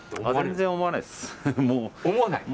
全然思わないです。